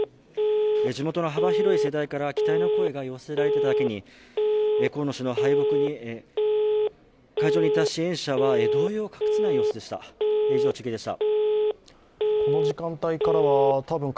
地元の幅広い世代から期待の声が寄せられていただけに河野氏の敗北に会場にいた支援者は動揺を隠せない様子でした。